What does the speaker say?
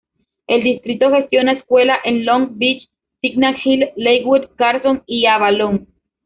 El distrito gestiona escuelas en Long Beach, Signal Hill, Lakewood, Carson, y Avalon.